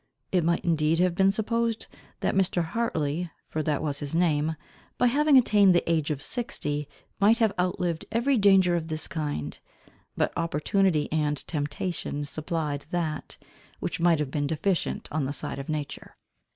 It might indeed have been supposed, that Mr. Hartley, for that was his name, by having attained the age of sixty, might have outlived every danger of this kind. But opportunity and temptation supplied that, which might have been deficient on the side of nature.